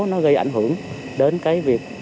nó gây ảnh hưởng đến cái việc